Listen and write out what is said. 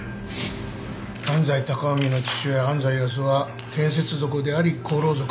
安斎高臣の父親安斎康雄は建設族であり厚労族。